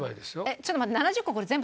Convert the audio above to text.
ちょっと待って。